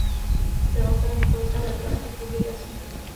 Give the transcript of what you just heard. Byl autorem několika lékařských publikací.